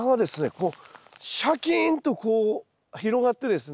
こうシャキーンとこう広がってですね